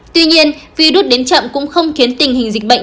tuy nhiên virus đến chậm cũng không khiến tình hình dịch bệnh